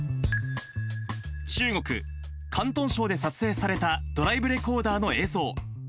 中国・広東省で撮影されたドライブレコーダーの映像。